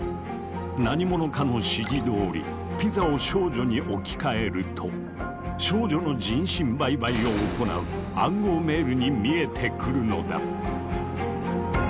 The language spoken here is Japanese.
何者かの指示どおり「ピザ」を「少女」に置き換えると「少女の人身売買」を行う暗号メールに見えてくるのだ！